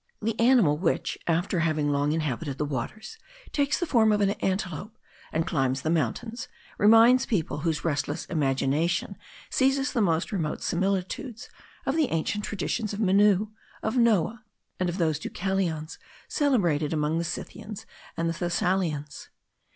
The animal, which, after having long inhabited the waters, takes the form of an antelope, and climbs the mountains, reminds people, whose restless imagination seizes the most remote similitudes, of the ancient traditions of Menou, of Noah, and of those Deucalions celebrated among the Scythians and the Thessalians.